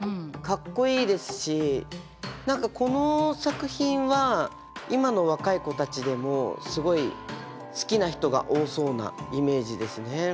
かっこいいですし何かこの作品は今の若い子たちでもすごい好きな人が多そうなイメージですね。